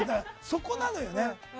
そこなのよね。